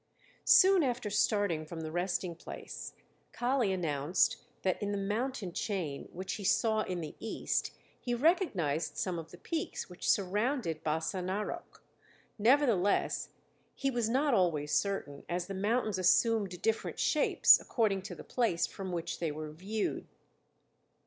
Soon after starting from the resting place, Kali announced that in the mountain chain, which he saw in the east, he recognized some of the peaks which surrounded Bassa Narok; nevertheless, he was not always certain, as the mountains assumed different shapes, according to the place from which they were viewed.